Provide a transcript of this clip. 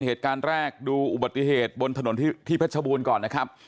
เหตุการณ์แรกดูอุบัติเหตุบนถนนที่เพชรบูรณ์ก่อนนะครับ